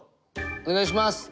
お願いします。